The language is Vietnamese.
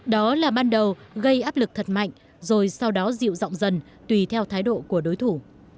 đó là ban đầu gây áp lực thật mạnh rồi sau đó dịu rộng dần tùy theo thái độ của đối thủ